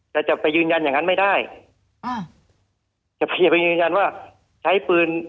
แต่จะไปยืนยันอย่างนั้นไม่ได้อ่าจะไปอย่าไปยืนยันว่าใช้ปืน